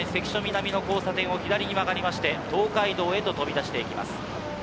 今、箱根関所南の交差点を左に曲がりまして、東海道へと飛び出していきます。